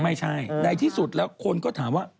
ไม่ใช่ในที่สุดแล้วคนก็ถามว่า